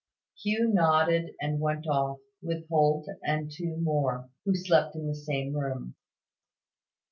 Hugh nodded and went off, with Holt and two more, who slept in the same room.